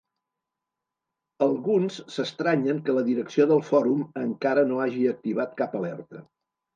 Alguns s'estranyen que la direcció del Fòrum encara no hagi activat cap alerta.